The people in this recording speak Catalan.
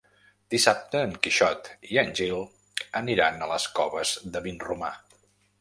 Dissabte en Quixot i en Gil aniran a les Coves de Vinromà.